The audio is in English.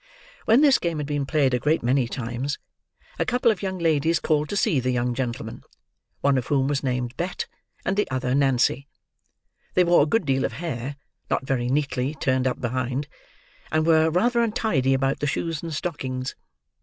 When this game had been played a great many times, a couple of young ladies called to see the young gentleman; one of whom was named Bet, and the other Nancy. They wore a good deal of hair, not very neatly turned up behind, and were rather untidy about the shoes and stockings.